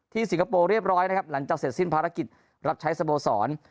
สิงคโปร์เรียบร้อยนะครับหลังจากเสร็จสิ้นภารกิจรับใช้สโมสร